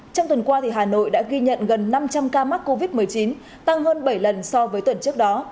trong tuần qua hà nội đã ghi nhận gần năm trăm linh ca mắc covid một mươi chín tăng hơn bảy lần so với tuần trước đó